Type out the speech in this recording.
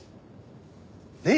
ねえ？